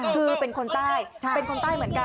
คือเป็นคนใต้เป็นคนใต้เหมือนกัน